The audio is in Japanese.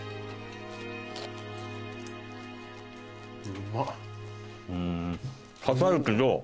うまっ。